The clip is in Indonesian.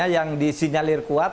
yang disinyalir kuat